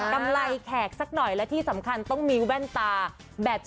ซื้อมาครบได้อันนี้ข้อมูลแน่นมาก